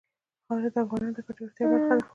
خاوره د افغانانو د ګټورتیا برخه ده.